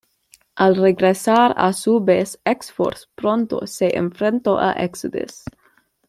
Al regresar a su base, X-Force pronto se enfrentó a Exodus.